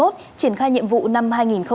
triển khai nhiệm vụ năm hai nghìn hai mươi